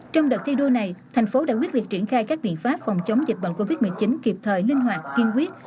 trong đợt thi đua này thành phố đã quyết liệt triển khai các biện pháp phòng chống dịch bệnh covid một mươi chín kịp thời linh hoạt kiên quyết